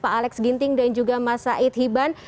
pak alex ginting dan juga mas said hiban